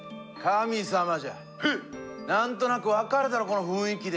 なんとなく分かるだろこの雰囲気で。